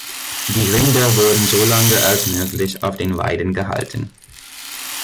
Die Rinder wurden solange als möglich auf den Weiden gehalten.